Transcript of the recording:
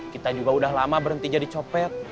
kita juga udah lama berhenti jadi copet